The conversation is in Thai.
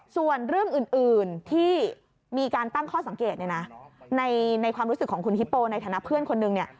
ส่วนเรื่องอื่นที่มีการตั้งข้อสังเกตเนี่ยนะในความรู้สึกของคุณฮิปโปในฐานะเพื่อนคนนึงเนี่ย